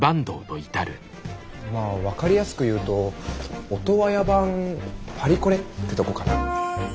まあ分かりやすく言うとオトワヤ版パリコレってとこかな。